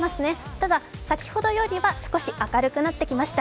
ただ先ほどよりは少し明るくなってきました。